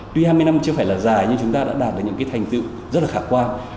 tuy hai mươi năm chưa phải là dài nhưng chúng ta đã đạt được những thành tựu rất là khả quan